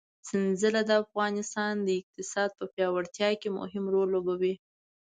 سنځله د افغانستان د اقتصاد په پیاوړتیا کې مهم رول لوبوي.